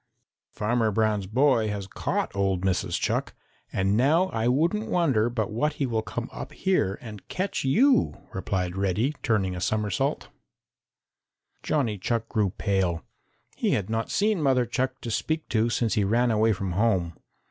"Farmer Brown's boy has caught old Mrs. Chuck, and now I wouldn't wonder but what he will come up here and catch you," replied Reddy, turning a somersault. Johnny Chuck grew pale. He had not seen Mother Chuck to speak to since he ran away from home.